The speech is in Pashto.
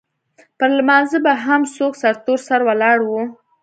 پر لمانځه به هم څوک سرتور سر ولاړ وو.